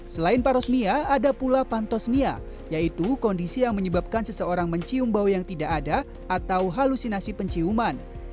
selain parosmia ada pula pantosmia yaitu kondisi yang menyebabkan seseorang mencium bau yang tidak ada atau halusinasi penciuman